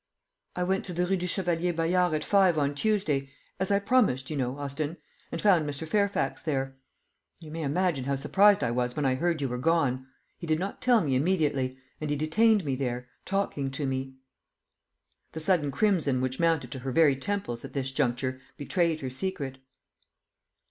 "I went to the Rue du Chevalier Bayard at 5 on Tuesday as I promised, you know, Austin and found Mr. Fairfax there. You may imagine how surprised I was when I heard you were gone. He did not tell me immediately; and he detained me there talking to me." The sudden crimson which mounted to her very temples at this juncture betrayed her secret.